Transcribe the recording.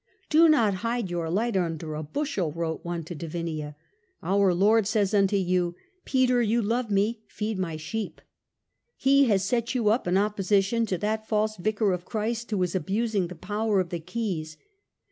" Do not hide your light under a bushel," wrote one to de Vinea. " Our Lord says unto you :* Peter, you love me ; feed my sheep.' He has set you up in opposition to that false Vicar of Christ who is abusing the power of the keys.